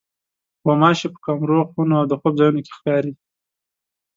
غوماشې په کمرو، خونو او د خوب ځایونو کې ښکاري.